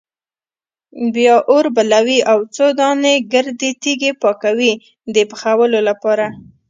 بیا اور بلوي او څو دانې ګردې تیږې پاکوي د پخولو لپاره.